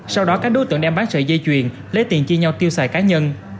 sau đó các đối tượng đem bán sợi dây chuyền lấy tiền chia nhau tiêu xài cá nhân